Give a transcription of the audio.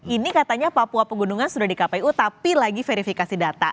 ini katanya papua pegunungan sudah di kpu tapi lagi verifikasi data